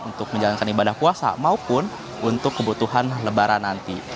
untuk menjalankan ibadah puasa maupun untuk kebutuhan lebaran nanti